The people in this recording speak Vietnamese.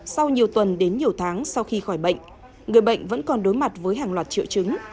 sau nhiều tuần đến nhiều tháng sau khi khỏi bệnh người bệnh vẫn còn đối mặt với hàng loạt triệu chứng